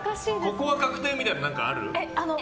ここは確定みたいなのある？